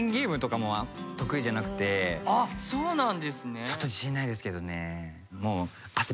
あっそうなんですね。